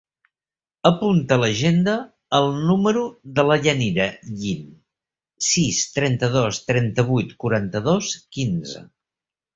Apunta a l'agenda el número de la Yanira Yin: sis, trenta-dos, trenta-vuit, quaranta-dos, quinze.